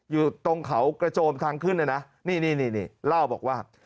อยู่ตรงเขากระโจมทางขึ้นเลยนะนี่นี่เล่าบอกว่า